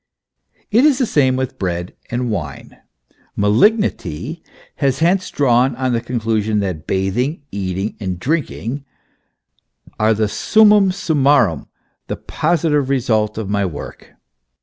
It is the same with bread and wine. Malignity has hence drawn the conclusion that bathing, eating and drinking are the summa summarum, the positive result of my work.